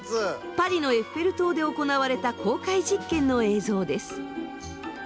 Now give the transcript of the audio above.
パリのエッフェル塔で行われた公開実験の映像です。